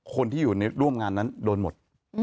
คนที่อยู่ในร่วมงานนั้นโดนหมด